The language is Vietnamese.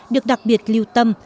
được đặc biệt lưu tâm